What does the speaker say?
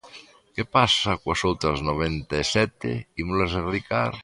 ¿Que pasa coas outras noventa e sete?, ¿ímolas erradicar?